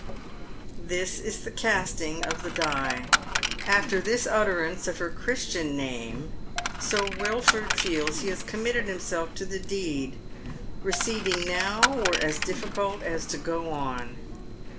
This is the casting of the die. After this utterance of her Christian name Sir Wilford feels he has committed himself to the deed. Receding now were as difficult as to go on.